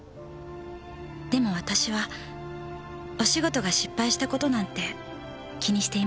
でも私はお仕事が失敗した事なんて気にしていません」